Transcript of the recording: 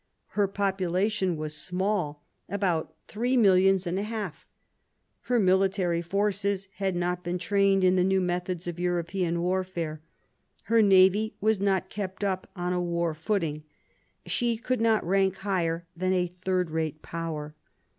Her population was small, about three millions and a half; her military forces had not been trained in the new methods of European warfare ; her navy was not kept up on a war footing. She could not rank higher than a third rate power.